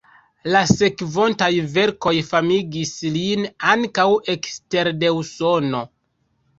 La sekvontaj verkoj famigis lin ankaŭ ekster de Usono.